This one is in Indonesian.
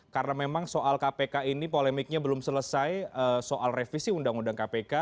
karena memang soal kpk ini polemiknya belum selesai soal revisi undang undang kpk